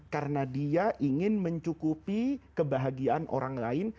karena dia ingin mencukupi kebahagiaan orang lain